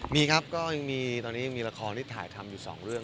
มีครับก็ยังมีตอนนี้ยังมีละครที่ถ่ายทำอยู่สองเรื่อง